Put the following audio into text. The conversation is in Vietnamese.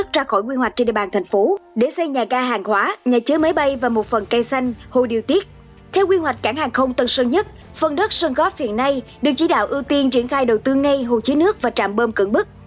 theo quy hoạch cảng hàng không tân sơn nhất phần đất sơn góp hiện nay được chỉ đạo ưu tiên triển khai đầu tư ngay hồ chứa nước và trạm bơm cẩn bức